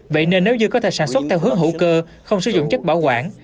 vậy nên nếu dư có thể sản xuất theo hướng hữu cơ không sử dụng chất bảo quản